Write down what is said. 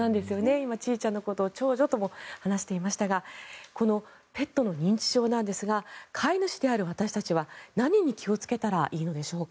今、ちいちゃんのことを長女とも話していましたがこのペットの認知症なんですが飼い主である私たちは何に気をつけたらいいのでしょうか。